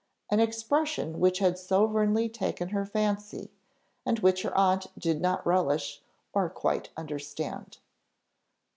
an expression which had sovereignly taken her fancy, and which her aunt did not relish, or quite understand.